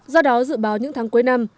do đó dự báo những tháng cuối năm